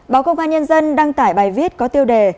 báo công an nhân dân đăng tải bài viết có tiêu đề